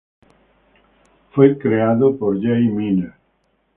Fue creado por Jay Miner.